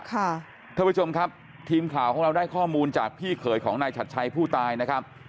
ท่านผู้ชมครับทีมข่าวของเราได้ข้อมูลจากพี่เขยของนายชัดชัยผู้ตายนะครับ